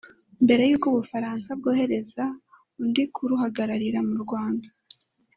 Mbere y’uko u Bufaransa bwohereza undi kuruhagararira mu Rwanda